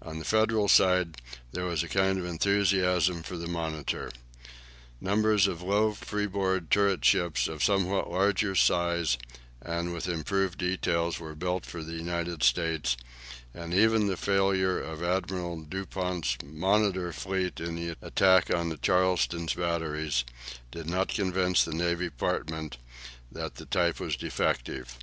On the Federal side there was a kind of enthusiasm for the "Monitor." Numbers of low freeboard turret ships of somewhat larger size, and with improved details, were built for the United States, and even the failure of Admiral Dupont's "Monitor" fleet in the attack on the Charleston batteries did not convince the Navy Department that the type was defective.